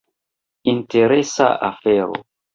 Interesa afero.